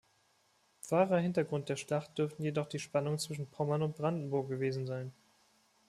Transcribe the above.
Wahrer Hintergrund der Schlacht dürften jedoch die Spannungen zwischen Pommern und Brandenburg gewesen sein.